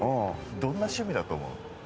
どんな趣味だと思う？